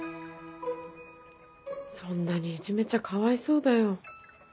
そんなにいじめちゃかわいそうだよ。